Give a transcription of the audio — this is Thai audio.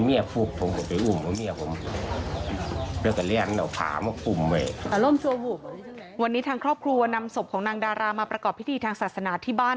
วันนี้ทางครอบครัวนำศพของนางดารามาประกอบพิธีทางศาสนาที่บ้าน